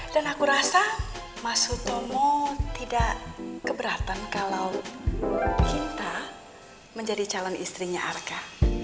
dan aku rasa masutomo tidak keberatan kalo kita menjadi calon istrinya arka